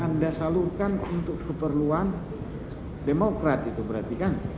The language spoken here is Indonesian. anda salurkan untuk keperluan demokrat itu berarti kan